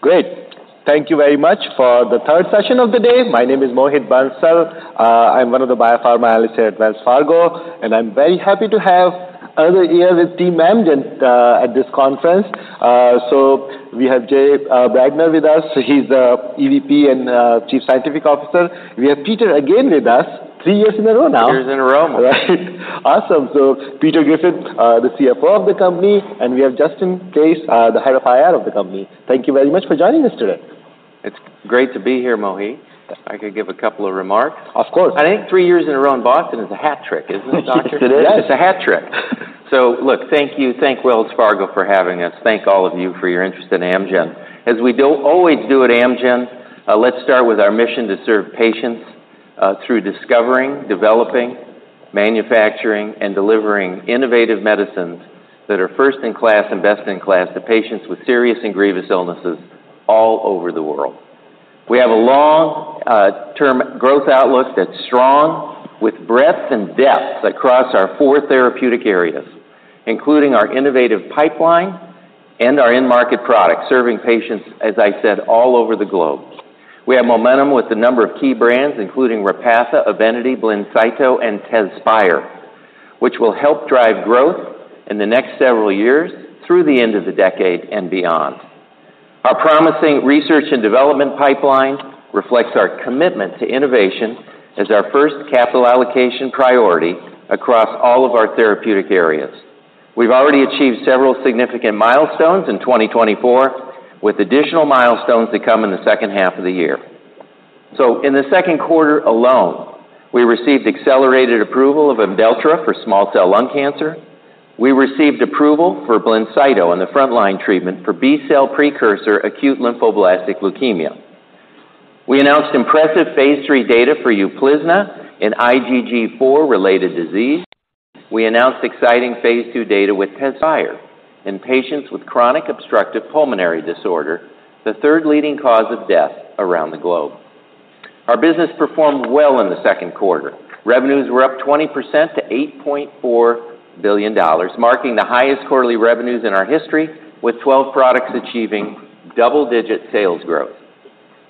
Great! Thank you very much for the third session of the day. My name is Mohit Bansal. I'm one of the biopharma analysts here at Wells Fargo, and I'm very happy to have another year with Team Amgen at this conference. So we have Jay Bradner with us. He's the EVP and Chief Scientific Officer. We have Peter again with us, three years in a row now. Three years in a row. Right. Awesome. So Peter Griffith, the CFO of the company, and we have Justin Claeys, the head of IR of the company. Thank you very much for joining us today. It's great to be here, Mohit. I could give a couple of remarks. Of course. I think three years in a row in Boston is a hat trick, isn't it, doctor? It is. It's a hat trick, so look. Thank you. Thank Wells Fargo for having us. Thank all of you for your interest in Amgen. As we always do at Amgen, let's start with our mission to serve patients through discovering, developing, manufacturing, and delivering innovative medicines that are first-in-class and best-in-class to patients with serious and grievous illnesses all over the world. We have a long-term growth outlook that's strong, with breadth and depth across our four therapeutic areas, including our innovative pipeline and our end-market products, serving patients, as I said, all over the globe. We have momentum with a number of key brands, including Repatha, Evenity, Blincyto, and Tezspire, which will help drive growth in the next several years through the end of the decade and beyond. Our promising research and development pipeline reflects our commitment to innovation as our first capital allocation priority across all of our therapeutic areas. We've already achieved several significant milestones in 2024, with additional milestones to come in the second half of the year. So in the second quarter alone, we received accelerated approval of Imdelltra for small cell lung cancer. We received approval for Blincyto in the frontline treatment for B-cell precursor acute lymphoblastic leukemia. We announced impressive phase III data for Uplizna in IgG4-related disease. We announced exciting phase II data with Tezspire in patients with chronic obstructive pulmonary disease, the third leading cause of death around the globe. Our business performed well in the second quarter. Revenues were up 20% to $8.4 billion, marking the highest quarterly revenues in our history, with 12 products achieving double-digit sales growth.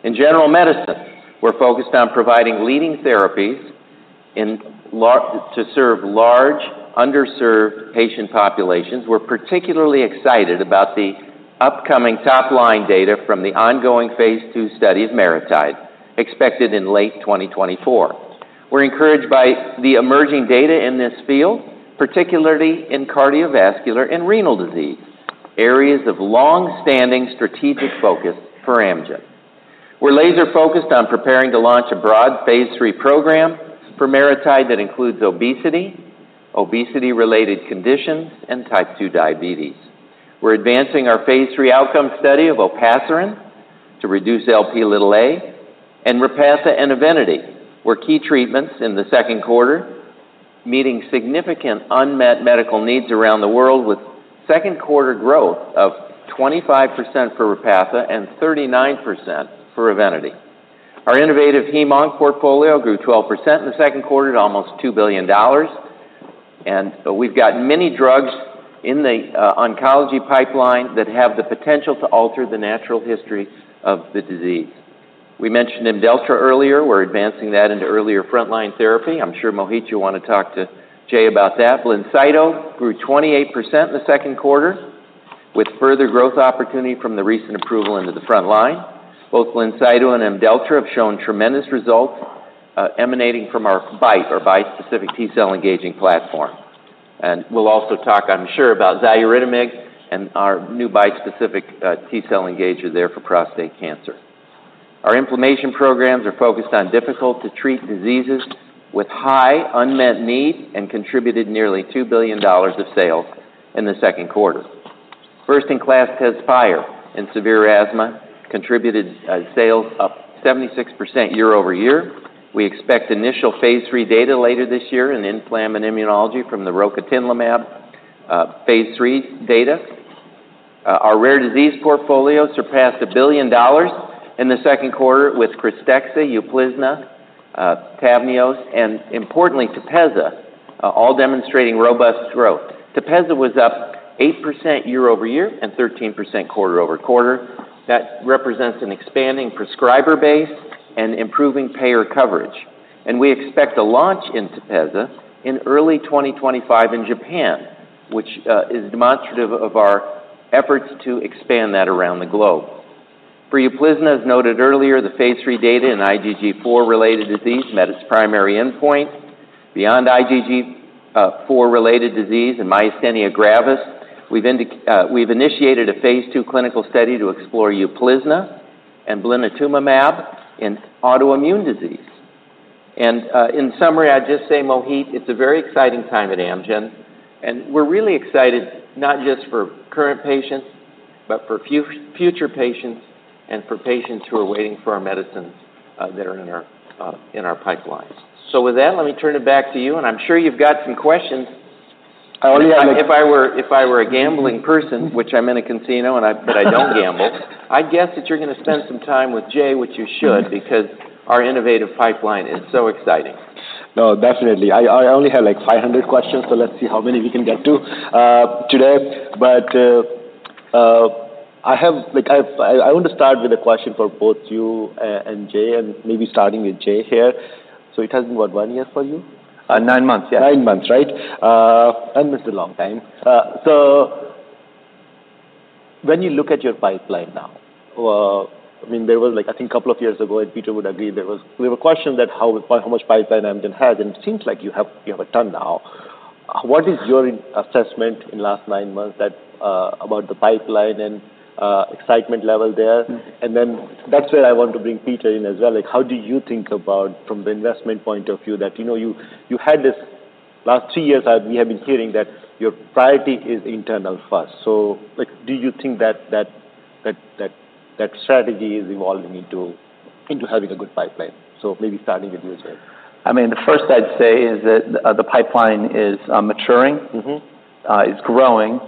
In general medicine, we're focused on providing leading therapies to serve large, underserved patient populations. We're particularly excited about the upcoming top-line data from the ongoing phase II study of MariTide, expected in late 2024. We're encouraged by the emerging data in this field, particularly in cardiovascular and renal disease, areas of long-standing strategic focus for Amgen. We're laser-focused on preparing to launch a broad phase III program for MariTide that includes obesity, obesity-related conditions, and Type II diabetes. We're advancing our phase III outcome study of Olpasiran to reduce Lp(a), and Repatha and Evenity were key treatments in the second quarter, meeting significant unmet medical needs around the world, with second quarter growth of 25% for Repatha and 39% for Evenity. Our innovative hem-onc portfolio grew 12% in the second quarter to almost $2 billion, and we've got many drugs in the oncology pipeline that have the potential to alter the natural history of the disease. We mentioned Imdelltra earlier. We're advancing that into earlier frontline therapy. I'm sure, Mohit, you want to talk to Jay about that. Blincyto grew 28% in the second quarter, with further growth opportunity from the recent approval into the front line. Both Blincyto and Imdelltra have shown tremendous results emanating from our BiTE, or Bispecific T-cell engaging platform. We'll also talk, I'm sure, about Xaluritamig and our new BiTE specific T-cell engager there for prostate cancer. Our inflammation programs are focused on difficult-to-treat diseases with high unmet need and contributed nearly $2 billion of sales in the second quarter. First-in-class Tezspire in severe asthma contributed sales up 76% year over year. We expect initial phase III data later this year in inflammation and immunology from the Rocatinlimab phase III data. Our rare disease portfolio surpassed $1 billion in the second quarter with Krystexxa, Uplizna, Tavneos, and importantly, Tepezza, all demonstrating robust growth. Tepezza was up 8% year over year and 13% quarter over quarter. That represents an expanding prescriber base and improving payer coverage, and we expect a launch in Tepezza in early 2025 in Japan, which is demonstrative of our efforts to expand that around the globe. For Uplizna, as noted earlier, the phase III data in IgG4-related disease met its primary endpoint. Beyond IgG4-related disease and myasthenia gravis, we've initiated a phase II clinical study to explore Uplizna and blinatumomab in autoimmune disease. And, in summary, I'd just say, Mohit, it's a very exciting time at Amgen, and we're really excited not just for current patients, but for future patients and for patients who are waiting for our medicines, that are in our pipelines. So with that, let me turn it back to you, and I'm sure you've got some questions. Oh, yeah. If I were a gambling person, which I'm in a casino, and I—but I don't gamble, I'd guess that you're gonna spend some time with Jay, which you should, because our innovative pipeline is so exciting. No, definitely. I only have like five hundred questions, so let's see how many we can get to today. But I have like I want to start with a question for both you and Jay, and maybe starting with Jay here. So it has been, what, one year for you? Nine months, yeah. Nine months, right? And this is a long time. So when you look at your pipeline now, I mean, there was like, I think a couple of years ago, and Peter would agree, there was a question that how much pipeline Amgen has, and it seems like you have a ton now. What is your assessment in last nine months that about the pipeline and excitement level there? And then that's where I want to bring Peter in as well. Like, how do you think about, from the investment point of view, that, you know, you had this last two years, we have been hearing that your priority is internal first. So, like, do you think that strategy is evolving into having a good pipeline? So maybe starting with you, sir. I mean, the first I'd say is that, the pipeline is, maturing- Mm-hmm... is growing,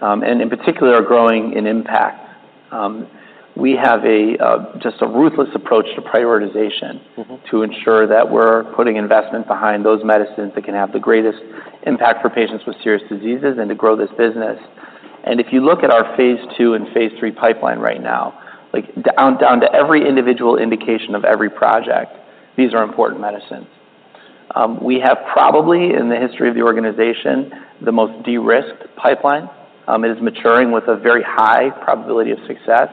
and in particular, are growing in impact. We have just a ruthless approach to prioritization- Mm-hmm... to ensure that we're putting investment behind those medicines that can have the greatest impact for patients with serious diseases and to grow this business. And if you look at our phase II and phase III pipeline right now, like, down to every individual indication of every project, these are important medicines. We have probably, in the history of the organization, the most de-risked pipeline. It is maturing with a very high probability of success.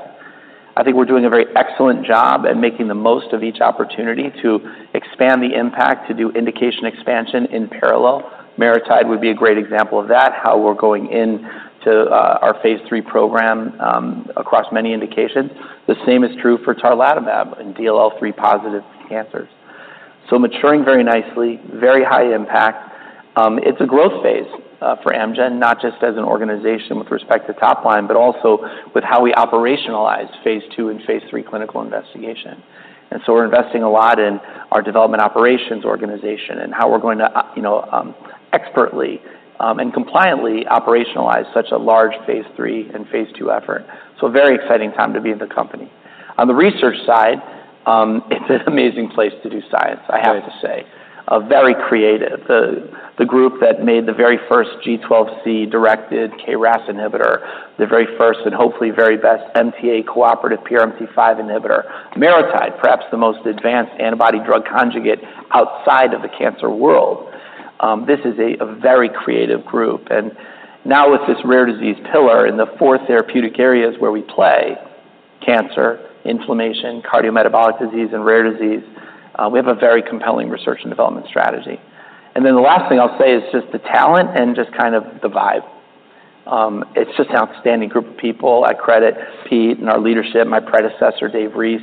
I think we're doing a very excellent job at making the most of each opportunity to expand the impact, to do indication expansion in parallel. Mirati would be a great example of that, how we're going in to our phase III program across many indications. The same is true for Tarlatamab in DLL3-positive cancers. So maturing very nicely, very high impact. It's a growth phase for Amgen, not just as an organization with respect to top line, but also with how we operationalize phase II and phase III clinical investigation, and so we're investing a lot in our development operations organization and how we're going to expertly and compliantly operationalize such a large phase III and phase II effort, so a very exciting time to be in the company. On the research side, it's an amazing place to do science, I have to say. Very creative. The group that made the very first G12C-directed KRAS inhibitor, the very first and hopefully very best MTA cooperative PRMT5 inhibitor, Mirati, perhaps the most advanced antibody-drug conjugate outside of the cancer world. This is a very creative group, and now with this rare disease pillar in the fourth therapeutic areas where we play, cancer, inflammation, cardiometabolic disease, and rare disease, we have a very compelling research and development strategy. Then the last thing I'll say is just the talent and just kind of the vibe. It's just an outstanding group of people. I credit Pete and our leadership, my predecessor, Dave Reese.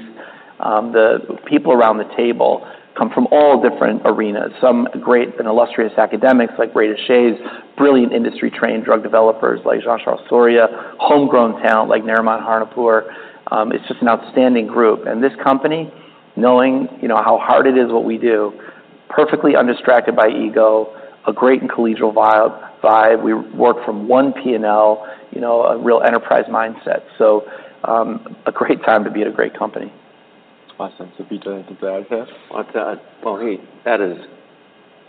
The people around the table come from all different arenas, some great and illustrious academics, like Ray Deshaies, brilliant industry-trained drug developers like Jean-Charles Soria, homegrown talent like Narimon Honarpour. It's just an outstanding group, and this company, knowing, you know, how hard it is, what we do, perfectly undistracted by ego, a great and collegial vibe. We work from one P&L, you know, a real enterprise mindset, so, a great time to be at a great company. Awesome. So Peter, anything to add there? Mohit, that is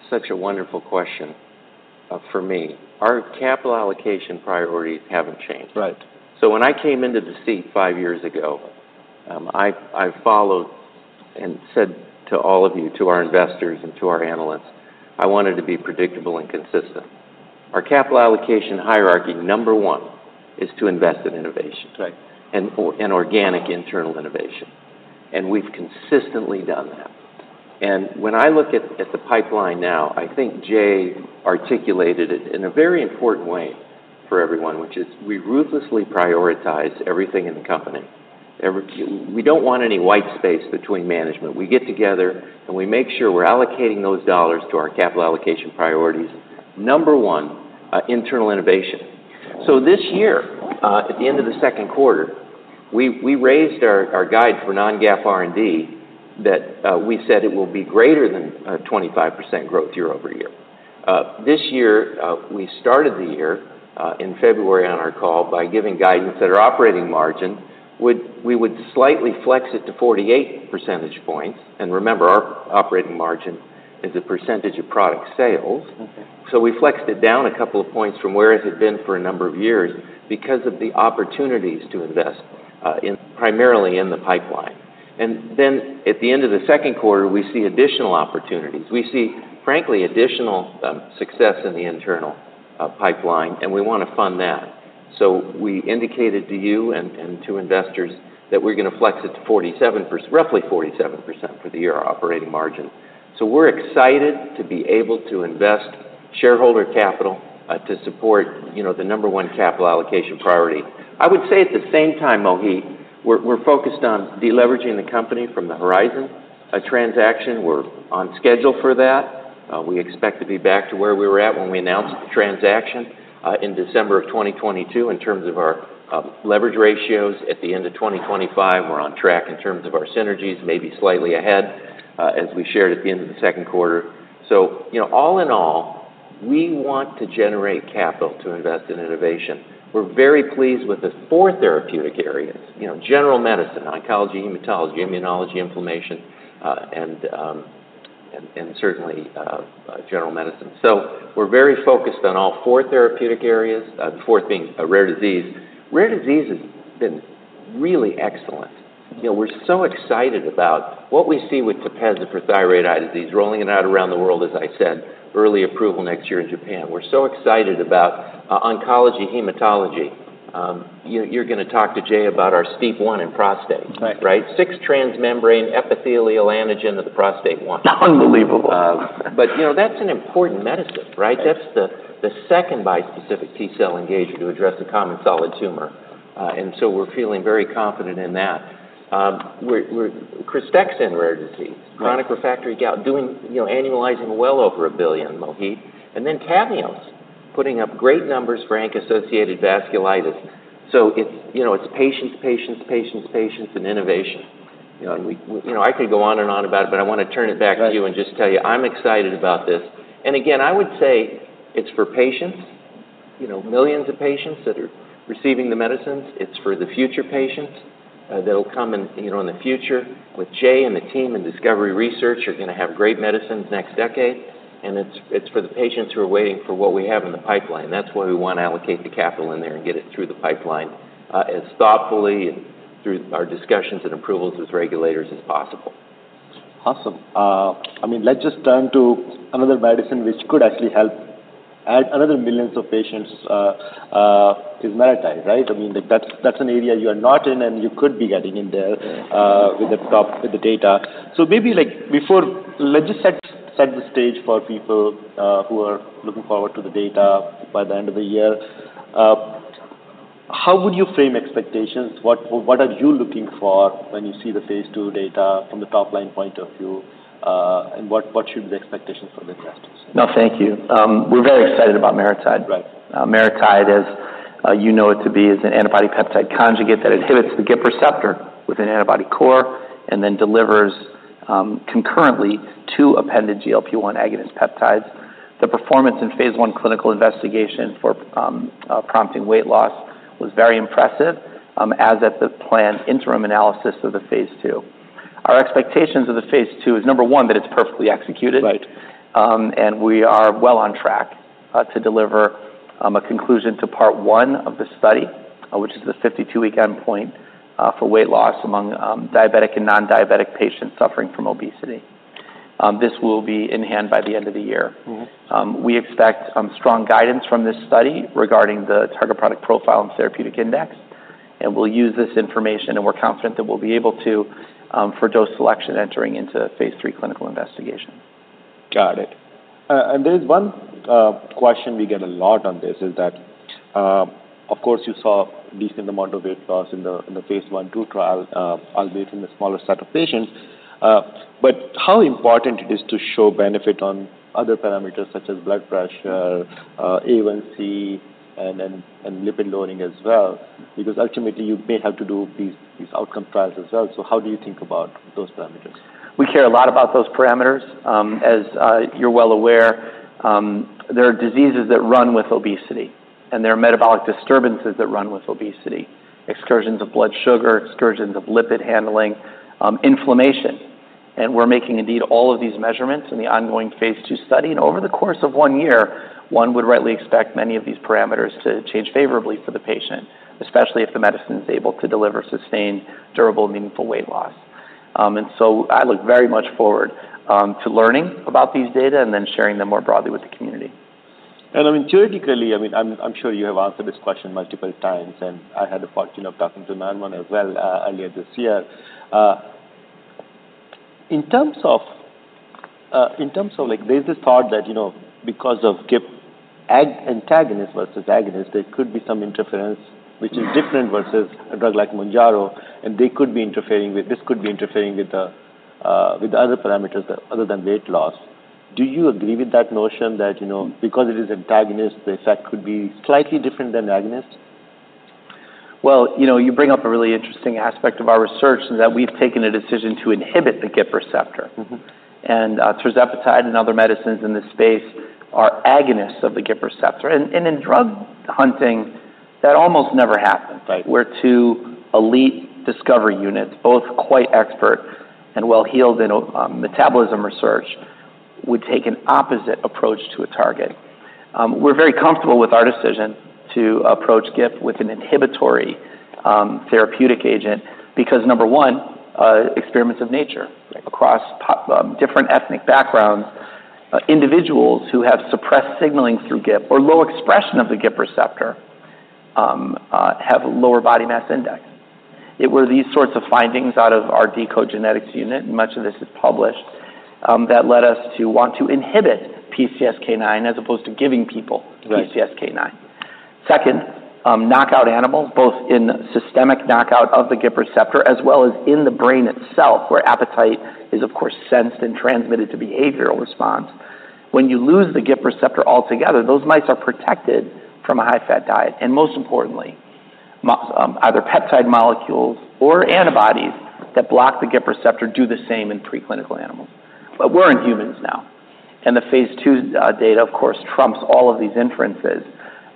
such a wonderful question for me. Our capital allocation priorities haven't changed. Right. So when I came into the seat five years ago, I followed and said to all of you, to our investors and to our analysts, I wanted to be predictable and consistent. Our capital allocation hierarchy, number one, is to invest in innovation- Right ...and or, and organic internal innovation, and we've consistently done that. When I look at the pipeline now, I think Jay articulated it in a very important way for everyone, which is we ruthlessly prioritize everything in the company. We don't want any white space between management. We get together, and we make sure we're allocating those dollars to our capital allocation priorities. Number one, internal innovation. So this year, at the end of the second quarter, we raised our guide for non-GAAP R&D that we said it will be greater than 25% growth year over year. This year, we started the year in February on our call by giving guidance that our operating margin we would slightly flex it to 48 percentage points. Remember, our operating margin is a percentage of product sales. Mm-hmm. So we flexed it down a couple of points from where it had been for a number of years because of the opportunities to invest primarily in the pipeline. And then at the end of the second quarter, we see additional opportunities. We see, frankly, additional success in the internal pipeline, and we want to fund that. So we indicated to you and to investors that we're gonna flex it to 47%, roughly 47% for the year operating margin. So we're excited to be able to invest shareholder capital to support, you know, the number one capital allocation priority. I would say at the same time, Mohit, we're focused on deleveraging the company from the Horizon transaction. We're on schedule for that. We expect to be back to where we were at when we announced the transaction in December of 2022, in terms of our leverage ratios at the end of 2025. We're on track in terms of our synergies, maybe slightly ahead, as we shared at the end of the second quarter, so you know, all in all-... We want to generate capital to invest in innovation. We're very pleased with the four therapeutic areas, you know, general medicine, oncology, hematology, immunology, inflammation, and certainly general medicine. So we're very focused on all four therapeutic areas, the fourth being rare disease. Rare disease has been really excellent. You know, we're so excited about what we see with Tepezza for thyroid eye disease, rolling it out around the world, as I said, early approval next year in Japan. We're so excited about oncology, hematology. You're gonna talk to Jay about our STEAP1 in prostate- Right. - right? Six-transmembrane epithelial antigen of the prostate 1. Unbelievable. But, you know, that's an important medicine, right? That's the second bispecific T cell engager to address a common solid tumor, and so we're feeling very confident in that. We're Krystexxa in rare disease. Right. Chronic refractory gout, doing, you know, annualizing well over $1 billion, Mohit. And then Tavneos, putting up great numbers for ANCA-associated vasculitis. So it's, you know, it's patients, patients, patients, patients, and innovation. You know, and we... You know, I could go on and on about it, but I want to turn it back to you- Right. And just tell you, I'm excited about this. And again, I would say it's for patients, you know, millions of patients that are receiving the medicines. It's for the future patients that'll come in, you know, in the future. With Jay and the team in Discovery Research, you're gonna have great medicines next decade, and it's for the patients who are waiting for what we have in the pipeline. That's why we want to allocate the capital in there and get it through the pipeline as thoughtfully and through our discussions and approvals as regulators as possible. Awesome. I mean, let's just turn to another medicine which could actually help add another millions of patients, is MariTide, right? I mean, that's an area you are not in, and you could be getting in there- Yeah with the top-line data. So maybe, like, before... Let's just set the stage for people who are looking forward to the data by the end of the year. How would you frame expectations? What are you looking for when you see the phase II data from the top-line point of view, and what should be the expectations for the investors? No, thank you. We're very excited about MariTide. Right. MariTide, as you know it to be, is an antibody-peptide conjugate that inhibits the GIP receptor with an antibody core and then delivers concurrently two appended GLP-1 agonist peptides. The performance in phase I clinical investigation for prompting weight loss was very impressive as at the planned interim analysis of the phase II. Our expectations of the phase II is, number one, that it's perfectly executed. Right. And we are well on track to deliver a conclusion to part one of the study, which is the fifty-two-week endpoint for weight loss among diabetic and non-diabetic patients suffering from obesity. This will be in hand by the end of the year. Mm-hmm. We expect strong guidance from this study regarding the target product profile and therapeutic index, and we'll use this information, and we're confident that we'll be able to for dose selection entering into phase III clinical investigation. Got it, and there's one question we get a lot on this, is that, of course, you saw decent amount of weight loss in the phase I/II trial, albeit in a smaller set of patients. But how important it is to show benefit on other parameters such as blood pressure- Mm-hmm. A1C, and then, and lipid loading as well? Because ultimately, you may have to do these outcome trials as well. So how do you think about those parameters? We care a lot about those parameters. As you're well aware, there are diseases that run with obesity, and there are metabolic disturbances that run with obesity: excursions of blood sugar, excursions of lipid handling, inflammation. And we're making indeed all of these measurements in the ongoing phase II study, and over the course of one year, one would rightly expect many of these parameters to change favorably for the patient, especially if the medicine is able to deliver sustained, durable, meaningful weight loss. And so I look very much forward to learning about these data and then sharing them more broadly with the community. I mean, theoretically, I mean, I'm sure you have answered this question multiple times, and I had the fortune of talking to Manuel as well, earlier this year. In terms of, like, there's this thought that, you know, because of GIP antagonist versus agonist, there could be some interference, which is different versus a drug like Mounjaro, and this could be interfering with the other parameters other than weight loss. Do you agree with that notion that, you know, because it is antagonist, the effect could be slightly different than agonist? You know, you bring up a really interesting aspect of our research, is that we've taken a decision to inhibit the GIP receptor. Mm-hmm. And, Tirzepatide and other medicines in this space are agonists of the GIP receptor. And in drug hunting, that almost never happens. Right. Where two elite discovery units, both quite expert and well-heeled in metabolism research, would take an opposite approach to a target. We're very comfortable with our decision to approach GIP with an inhibitory therapeutic agent because, number one, experiments of nature. Right. Across populations, different ethnic backgrounds, individuals who have suppressed signaling through GIP or low expression of the GIP receptor, have lower body mass index. It were these sorts of findings out of our deCODE Genetics unit, and much of this is published, that led us to want to inhibit PCSK9 as opposed to giving people- Right. PCSK9. Second, knockout animals, both in systemic knockout of the GIP receptor as well as in the brain itself, where appetite is, of course, sensed and transmitted to behavioral response. When you lose the GIP receptor altogether, those mice are protected from a high-fat diet, and most importantly, either peptide molecules or antibodies that block the GIP receptor do the same in preclinical animals. But we're in humans now, and the phase II data, of course, trumps all of these inferences.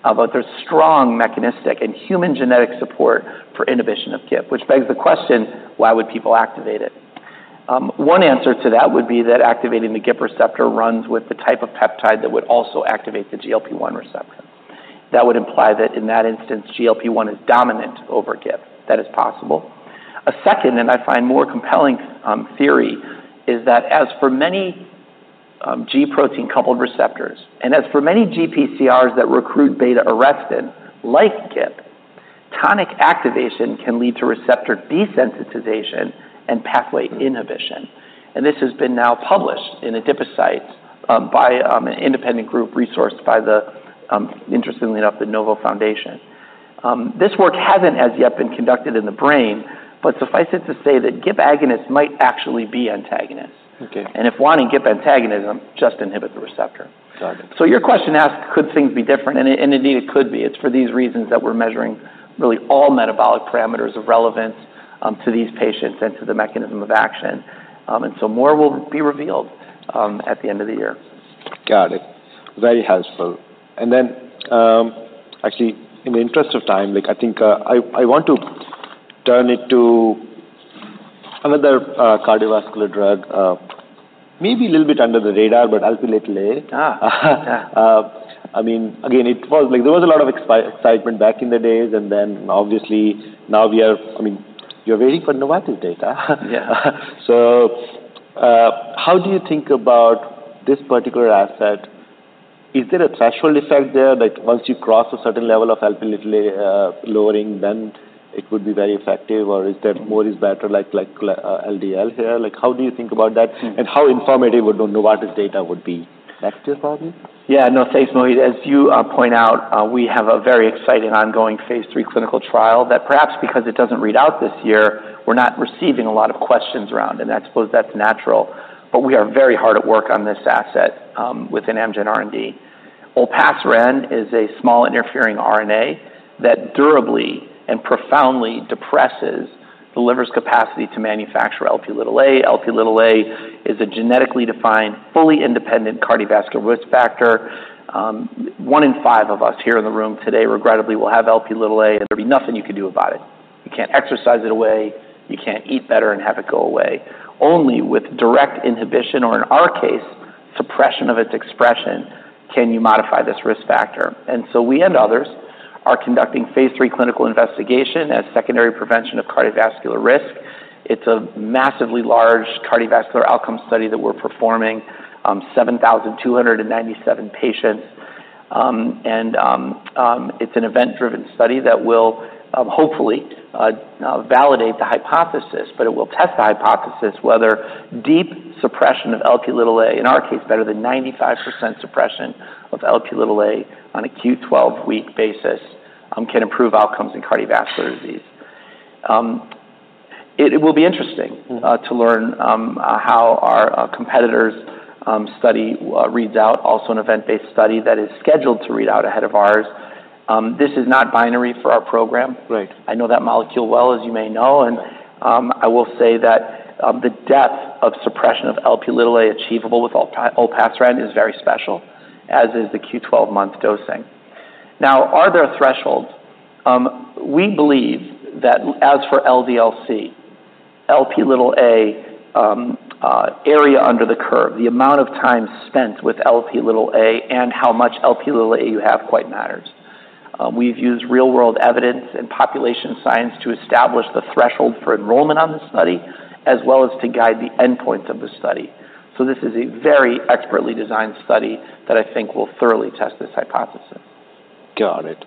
But there's strong mechanistic and human genetic support for inhibition of GIP, which begs the question, why would people activate it? One answer to that would be that activating the GIP receptor runs with the type of peptide that would also activate the GLP-1 receptor. That would imply that in that instance, GLP-1 is dominant over GIP. That is possible. A second, and I find more compelling, theory, is that as for many, G protein-coupled receptors, and as for many GPCRs that recruit beta-arrestin, like GIP, tonic activation can lead to receptor desensitization and pathway inhibition. And this has been now published in adipocytes, by, an independent group resourced by the, interestingly enough, the Novo Nordisk Foundation. This work hasn't as yet been conducted in the brain, but suffice it to say that GIP agonists might actually be antagonists. Okay. If wanting GIP antagonism, just inhibit the receptor. Got it. So, your question asked, could things be different? And indeed, it could be. It's for these reasons that we're measuring really all metabolic parameters of relevance to these patients and to the mechanism of action. And so more will be revealed at the end of the year. Got it. Very helpful. And then, actually, in the interest of time, like, I think I want to turn it to another cardiovascular drug, maybe a little bit under the radar, but Olpasiran. Ah. I mean, again, it was like... There was a lot of excitement back in the days, and then obviously, now, I mean, you're waiting for Novartis data. Yeah. How do you think about this particular asset? Is there a threshold effect there, like once you cross a certain level of Lp(a) lowering, then it would be very effective, or is that more is better, like LDL here? Like, how do you think about that, and how informative would Novartis's data would be next year, probably? Yeah, no, thanks, Mohit. As you point out, we have a very exciting ongoing phase III clinical trial that perhaps because it doesn't read out this year, we're not receiving a lot of questions around, and I suppose that's natural. But we are very hard at work on this asset, within Amgen R&D. Olpasiran is a small interfering RNA that durably and profoundly depresses the liver's capacity to manufacture Lp(a). Lp(a) is a genetically defined, fully independent cardiovascular risk factor. One in five of us here in the room today, regrettably, will have Lp(a), and there'll be nothing you can do about it. You can't exercise it away, you can't eat better and have it go away. Only with direct inhibition, or in our case, suppression of its expression, can you modify this risk factor. We and others are conducting phase III clinical investigation as secondary prevention of cardiovascular risk. It's a massively large cardiovascular outcome study that we're performing, 7,297 patients. It's an event-driven study that will hopefully validate the hypothesis, but it will test the hypothesis whether deep suppression of Lp(a), in our case, better than 95% suppression of Lp(a) on a Q12-week basis, can improve outcomes in cardiovascular disease. It will be interesting- Mm. to learn how our competitors' study reads out, also an event-based study that is scheduled to read out ahead of ours. This is not binary for our program. Right. I know that molecule well, as you may know, and. Right... I will say that, the depth of suppression of Lp(a) achievable with Olpasiran is very special, as is the Q12-month dosing. Now, are there thresholds? We believe that as for LDL-C, Lp(a), area under the curve, the amount of time spent with Lp(a) and how much Lp(a) you have quite matters. We've used real-world evidence and population science to establish the threshold for enrollment on the study, as well as to guide the endpoints of the study. So this is a very expertly designed study that I think will thoroughly test this hypothesis. Got it.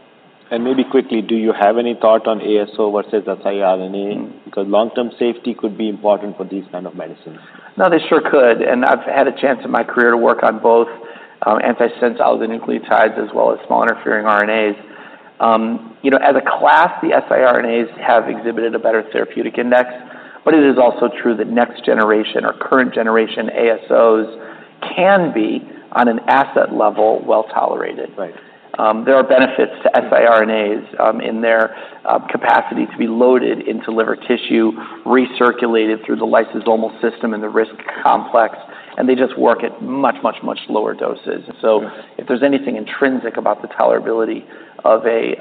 And maybe quickly, do you have any thought on ASO versus antisense, because long-term safety could be important for these kind of medicines? No, they sure could, and I've had a chance in my career to work on both, antisense oligonucleotides as well as small interfering RNAs. You know, as a class, the siRNAs have exhibited a better therapeutic index, but it is also true that next generation or current generation ASOs can be, on an asset level, well-tolerated. Right. There are benefits to siRNAs, in their capacity to be loaded into liver tissue, recirculated through the lysosomal system and the RISC complex, and they just work at much, much, much lower doses. Sure. So if there's anything intrinsic about the tolerability of a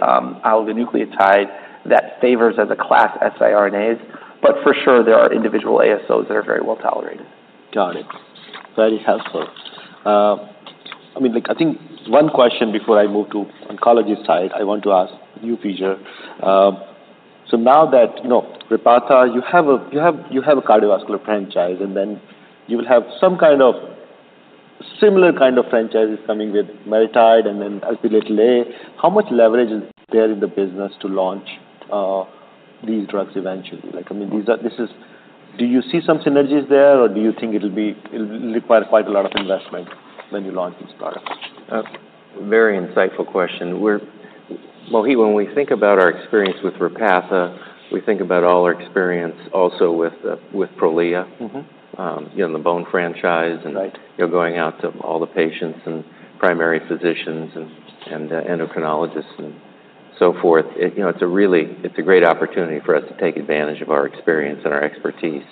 oligonucleotide that favors as a class siRNAs, but for sure, there are individual ASOs that are very well tolerated. Got it. Very helpful. I mean, like, I think one question before I move to oncology side, I want to ask you, Peter. So now that, you know, Repatha, you have a cardiovascular franchise, and then you will have some kind of similar kind of franchises coming with MariTide and then Olpasiran. How much leverage is there in the business to launch these drugs eventually? Like, I mean, these are- this is... Do you see some synergies there, or do you think it'll be- it'll require quite a lot of investment when you launch these products? Very insightful question. We're, Mohit, when we think about our experience with Repatha, we think about all our experience also with Prolia- Mm-hmm... you know, the bone franchise- Right and, you know, going out to all the patients and primary physicians and endocrinologists and so forth. It, you know, it's a great opportunity for us to take advantage of our experience and our expertise....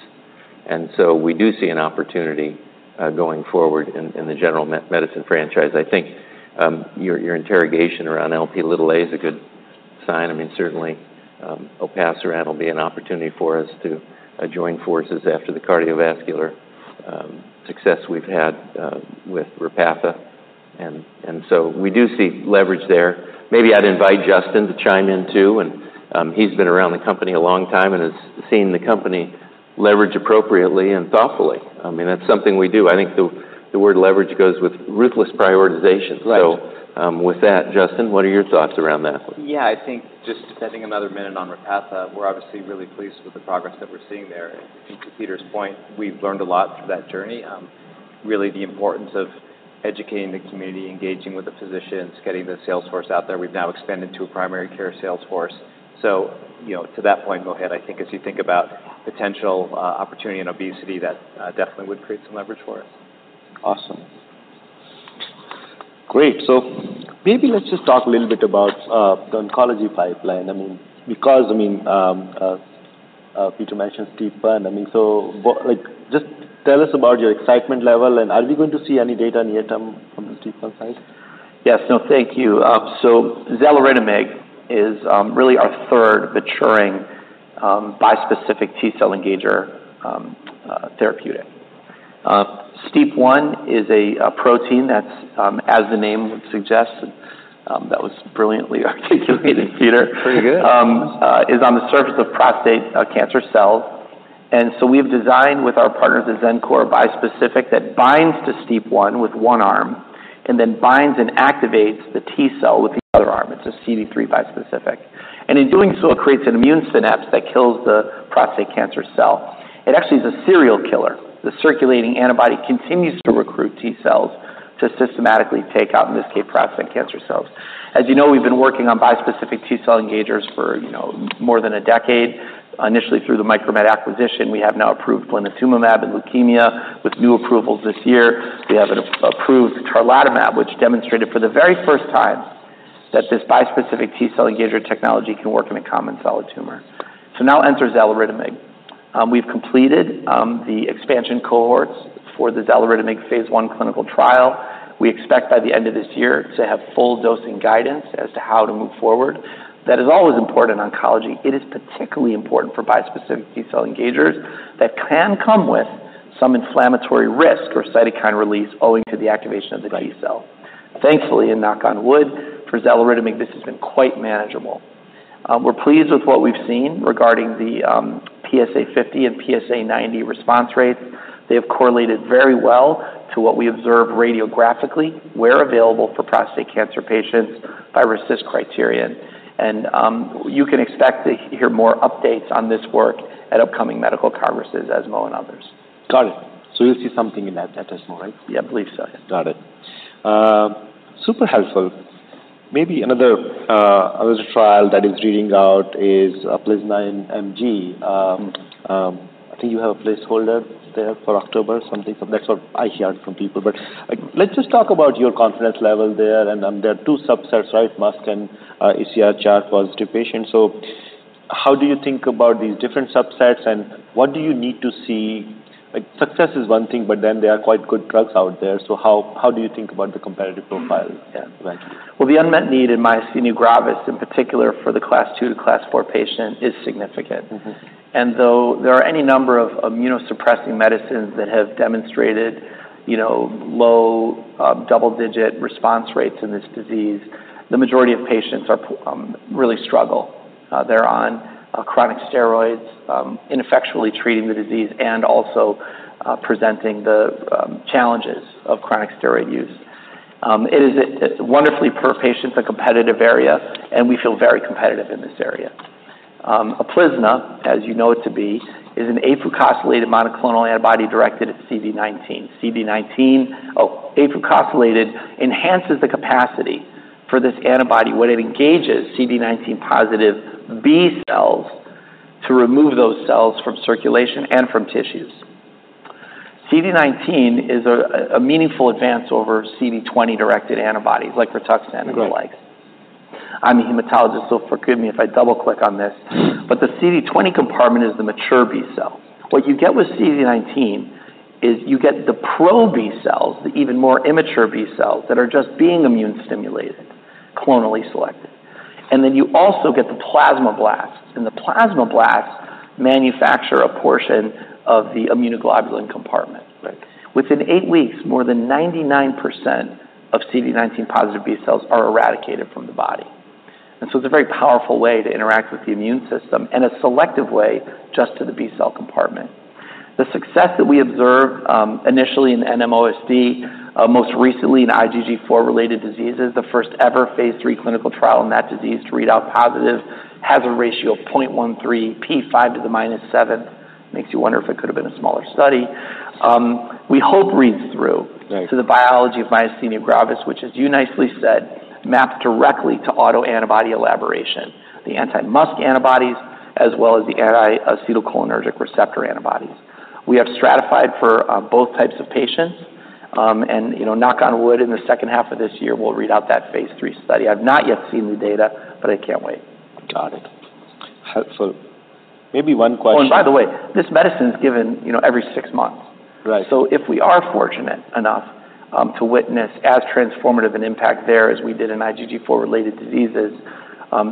And so we do see an opportunity going forward in the general medicine franchise. I think your interrogation around Lp(a) is a good sign. I mean, certainly, Olpasiran will be an opportunity for us to join forces after the cardiovascular success we've had with Repatha, and so we do see leverage there. Maybe I'd invite Justin to chime in, too, and he's been around the company a long time and has seen the company leverage appropriately and thoughtfully. I mean, that's something we do. I think the word leverage goes with ruthless prioritization. Right. So, with that, Justin, what are your thoughts around that? Yeah, I think just spending another minute on Repatha, we're obviously really pleased with the progress that we're seeing there. And to Peter's point, we've learned a lot through that journey, really the importance of educating the community, engaging with the physicians, getting the sales force out there. We've now expanded to a primary care sales force. So, you know, to that point, Mohit, I think as you think about potential, opportunity in obesity, that, definitely would create some leverage for us. Awesome. Great. So maybe let's just talk a little bit about the oncology pipeline. I mean, because, I mean, Peter mentioned STEAP1, I mean, so what... Like, just tell us about your excitement level, and are we going to see any data in the near term from the STEAP1 side? Yes. No, thank you. So Xaluritamig is really our third maturing bispecific T-cell engager therapeutic. STEAP1 is a protein that's as the name would suggest that was brilliantly articulated, Peter. Pretty good... is on the surface of prostate cancer cells, and so we have designed with our partners at Xencor a bispecific that binds to STEAP1 with one arm and then binds and activates the T cell with the other arm. It's a CD3 bispecific, and in doing so, it creates an immune synapse that kills the prostate cancer cell. It actually is a serial killer. The circulating antibody continues to recruit T cells to systematically take out, in this case, prostate cancer cells. As you know, we've been working on bispecific T cell engagers for, you know, more than a decade. Initially, through the Micromet acquisition, we have now approved blinatumomab in leukemia. With new approvals this year, we have an approved Tarlatamab, which demonstrated for the very first time that this bispecific T cell engager technology can work in a common solid tumor. Now enters Xaluritamig. We've completed the expansion cohorts for the Xaluritamig phase I clinical trial. We expect by the end of this year to have full dosing guidance as to how to move forward. That is always important in oncology. It is particularly important for bispecific T cell engagers that can come with some inflammatory risk or cytokine release owing to the activation of the T cell. Thankfully, and knock on wood, for Xaluritamig, this has been quite manageable. We're pleased with what we've seen regarding the PSA 50 and PSA 90 response rates. They have correlated very well to what we observe radiographically, where available for prostate cancer patients by RECIST criterion. You can expect to hear more updates on this work at upcoming medical congresses, ESMO and others. Got it. So we'll see something in that ESMO, right? Yeah, believe so, yes. Got it. Super helpful. Maybe another. There was a trial that is reading out is Uplizna MG. I think you have a placeholder there for October, something. That's what I heard from people. But, like, let's just talk about your confidence level there, and there are two subsets, right? MuSK and AChR-positive patients. So how do you think about these different subsets, and what do you need to see? Like, success is one thing, but then there are quite good drugs out there. So how do you think about the competitive profile there? Thank you. The unmet need in myasthenia gravis, in particular for the Class Two to Class Four patient, is significant. Mm-hmm. Though there are any number of immunosuppressing medicines that have demonstrated, you know, low, double-digit response rates in this disease, the majority of patients are really struggle. They're on chronic steroids ineffectually treating the disease and also presenting the challenges of chronic steroid use. It is a wonderfully per patient, a competitive area, and we feel very competitive in this area. Uplizna, as you know it to be, is an afucosylated monoclonal antibody directed at CD19. Afucosylated enhances the capacity for this antibody, when it engages CD19 positive B cells, to remove those cells from circulation and from tissues. CD19 is a meaningful advance over CD20-directed antibodies, like rituximab and the like. Mm-hmm. I'm a hematologist, so forgive me if I double-click on this. But the CD20 compartment is the mature B cell. What you get with CD19 is you get the pro-B cells, the even more immature B cells that are just being immune-stimulated, clonally selected, and then you also get the plasmablasts, and the plasmablasts manufacture a portion of the immunoglobulin compartment. Right. Within eight weeks, more than 99% of CD19 positive B cells are eradicated from the body, and so it's a very powerful way to interact with the immune system and a selective way just to the B cell compartment. The success that we observed initially in the NMOSD, most recently in IgG4-related diseases, the first ever phase III clinical trial in that disease to read out positive, has a ratio of 0.13, p five to the minus seventh. Makes you wonder if it could have been a smaller study. We hope reads through- Right to the biology of myasthenia gravis, which as you nicely said, mapped directly to autoantibody elaboration, the anti-MuSK antibodies, as well as the anti-acetylcholine receptor antibodies. We have stratified for both types of patients, and, you know, knock on wood, in the second half of this year, we'll read out that phase III study. I've not yet seen the data, but I can't wait. Got it. Helpful. Maybe one question- Oh, and by the way, this medicine is given, you know, every six months. Right. So if we are fortunate enough to witness as transformative an impact there as we did in IgG4-related diseases,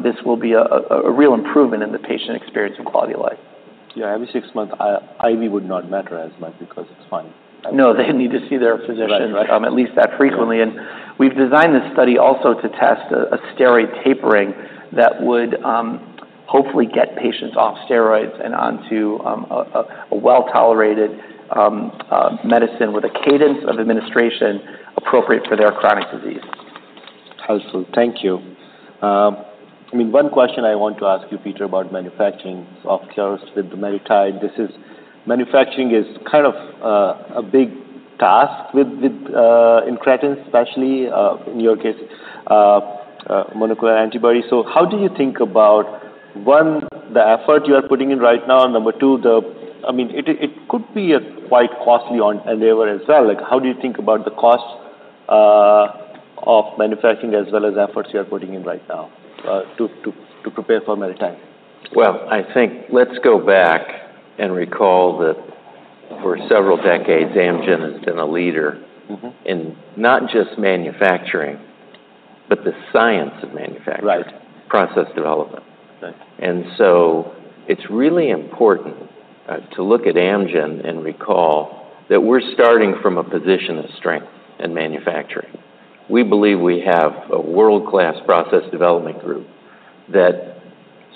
this will be a real improvement in the patient experience and quality of life. Yeah, every six months, IV would not matter as much because it's fine. No, they need to see their physician- Right. Right at least that frequently. And we've designed this study also to test a steroid tapering that would hopefully get patients off steroids and onto a well-tolerated medicine with a cadence of administration appropriate for their chronic disease. Helpful. Thank you. I mean, one question I want to ask you, Peter, about manufacturing of course, with the MariTide. Manufacturing is kind of a big task with incretins, especially in your case, monoclonal antibody. So how do you think about, one, the effort you are putting in right now? Number two, I mean, it could be a quite costly endeavor as well. Like, how do you think about the cost of manufacturing as well as efforts you're putting in right now to prepare for MariTide? Well, I think, let's go back and recall that for several decades, Amgen has been a leader- Mm-hmm in not just manufacturing, but the science of manufacturing. Right. Process development. Right. And so it's really important to look at Amgen and recall that we're starting from a position of strength in manufacturing. We believe we have a world-class process development group that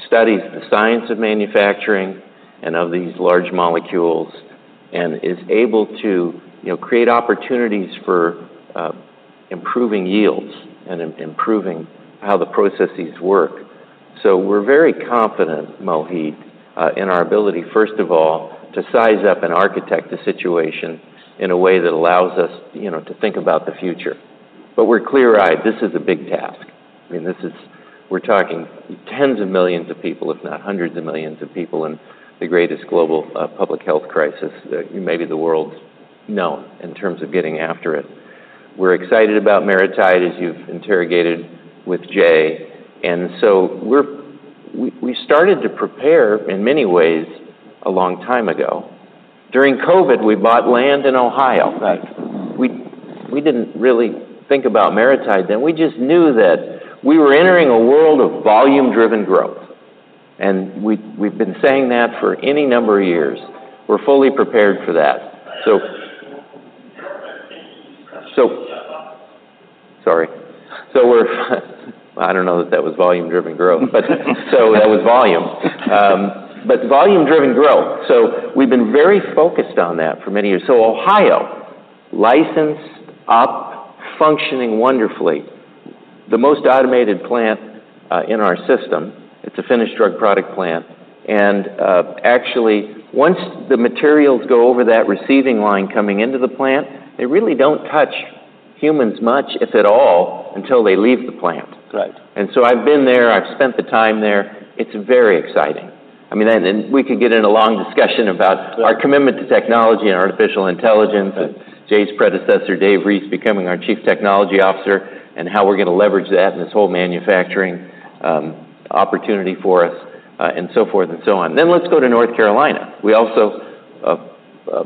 studies the science of manufacturing and of these large molecules, and is able to, you know, create opportunities for improving yields and improving how the processes work. So we're very confident, Mohit, in our ability, first of all, to size up and architect the situation in a way that allows us, you know, to think about the future. But we're clear-eyed, this is a big task. I mean, this is... We're talking tens of millions of people, if not hundreds of millions of people, in the greatest global public health crisis that maybe the world's known in terms of getting after it. We're excited about MariTide, as you've interrogated with Jay. We started to prepare, in many ways, a long time ago. During COVID, we bought land in Ohio. Right. We didn't really think about MariTide then. We just knew that we were entering a world of volume-driven growth, and we've been saying that for any number of years. We're fully prepared for that. I don't know that that was volume-driven growth, but so that was volume. But volume-driven growth, so we've been very focused on that for many years. So Ohio, licensed, up, functioning wonderfully, the most automated plant in our system. It's a finished drug product plant. And actually, once the materials go over that receiving line coming into the plant, they really don't touch humans much, if at all, until they leave the plant. Right. And so I've been there. I've spent the time there. It's very exciting. I mean, and we could get in a long discussion about- Sure -our commitment to technology and artificial intelligence, and Jay's predecessor, Dave Reese, becoming our Chief Technology Officer, and how we're gonna leverage that in this whole manufacturing opportunity for us, and so forth and so on. Then let's go to North Carolina. We also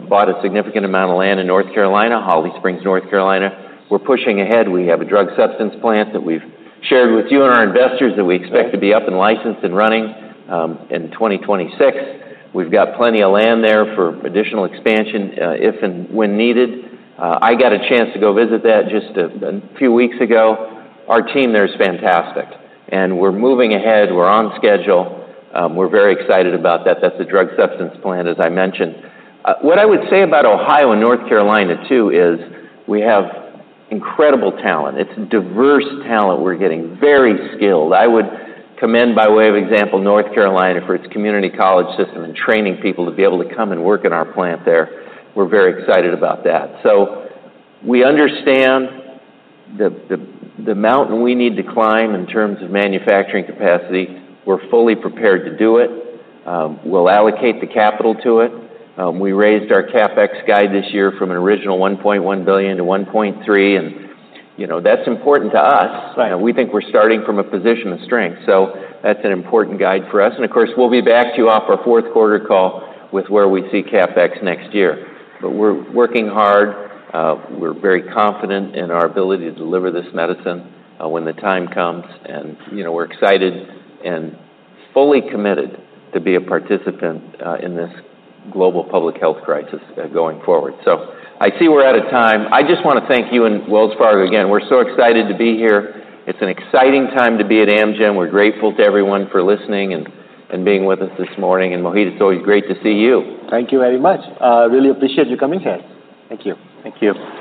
bought a significant amount of land in North Carolina, Holly Springs, North Carolina. We're pushing ahead. We have a drug substance plant that we've shared with you and our investors that we expect to be up and licensed and running in 2026. We've got plenty of land there for additional expansion if and when needed. I got a chance to go visit that just a few weeks ago. Our team there is fantastic, and we're moving ahead. We're on schedule. We're very excited about that. That's a drug substance plant, as I mentioned. What I would say about Ohio and North Carolina, too, is we have incredible talent. It's diverse talent we're getting, very skilled. I would commend, by way of example, North Carolina for its community college system and training people to be able to come and work in our plant there. We're very excited about that. So we understand the mountain we need to climb in terms of manufacturing capacity. We're fully prepared to do it. We'll allocate the capital to it. We raised our CapEx guide this year from an original $1.1 billion to $1.3 billion, and, you know, that's important to us. Right. We think we're starting from a position of strength, so that's an important guide for us. And of course, we'll be back to you off our fourth quarter call with where we see CapEx next year. But we're working hard. We're very confident in our ability to deliver this medicine, when the time comes, and, you know, we're excited and fully committed to be a participant, in this global public health crisis, going forward. So I see we're out of time. I just want to thank you and Wells Fargo again. We're so excited to be here. It's an exciting time to be at Amgen. We're grateful to everyone for listening and being with us this morning. And Mohit, it's always great to see you. Thank you very much. I really appreciate you coming here. Thank you. Thank you.